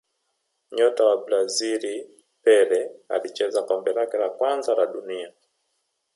Nyota wa Brazil Pele alicheza kombe lake la kwanza la dunia